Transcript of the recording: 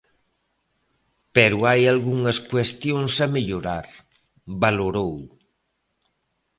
Pero hai algunhas cuestións a mellorar, valorou.